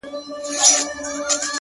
په مټي چي وكړه ژړا پر ځـنـگانــه ـ